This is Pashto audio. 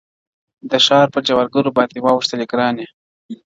د ښار په جوارگرو باندي واوښتلې گراني ~